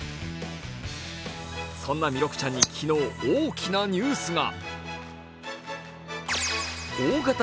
そんな弥勒ちゃんに昨日、大きなニュースが。